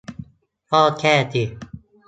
ก็แก้สิ